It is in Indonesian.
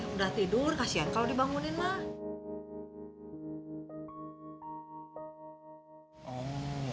udah tidur kasian kalau dibangunin mah